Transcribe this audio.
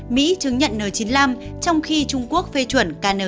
mỹ chứng nhận n chín mươi năm trong khi trung quốc phê chuẩn kn chín mươi năm